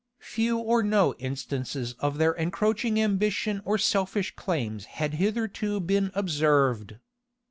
Few or no instances of their encroaching ambition or selfish claims had hitherto been observed.